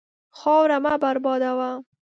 خاوره مه بربادوه.